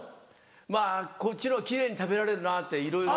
まぁこっちのほうが奇麗に食べられるなっていろいろ。